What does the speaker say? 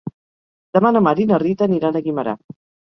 Demà na Mar i na Rita aniran a Guimerà.